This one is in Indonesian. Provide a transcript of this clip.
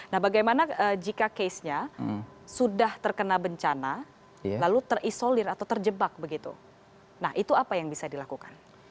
nah bagaimana jika case nya sudah terkena bencana lalu terisolir atau terjebak begitu nah itu apa yang bisa dilakukan